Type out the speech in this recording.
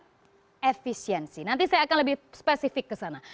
manajemen efisiensi nanti saya akan lebih spesifik kesana